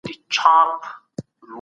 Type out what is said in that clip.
تاسي تل د خپلو ماشومانو سره لوبي کوئ.